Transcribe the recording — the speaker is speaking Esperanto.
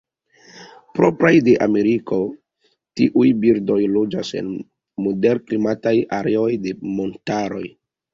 Propraj de Ameriko, tiuj birdoj loĝas en moderklimataj areoj de montaroj.